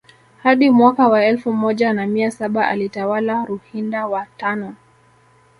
Hadi mwaka wa elfu moja na mia saba alitawala Ruhinda wa tano